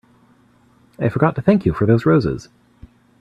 I forgot to thank you for those roses.